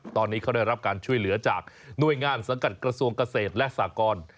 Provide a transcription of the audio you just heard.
ตอนนี้เขาได้รับการช่วยเหลือจากหน่วยงานสังกัดกระทรวงเกษตรและสากร